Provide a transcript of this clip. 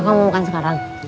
akang mau makan sekarang